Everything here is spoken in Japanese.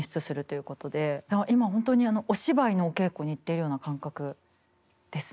今本当にお芝居のお稽古に行ってるような感覚です。